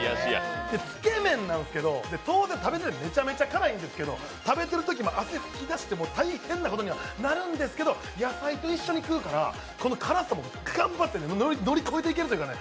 つけ麺なんですけど、当然食べててめちゃめちゃ辛いんですけど食べてるとき、汗噴き出して大変なことになるんですけど野菜と一緒に食うからこの辛さも頑張って乗り越えていけるというかね